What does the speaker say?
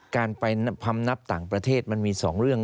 การไปพำนับต่างประเทศมันมี๒เรื่อง